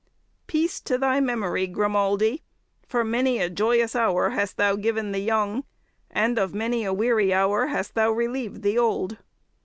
Peace to thy memory, Grimaldi! for many a joyous hour hast thou given the young, and of many a weary hour hast thou relieved the old.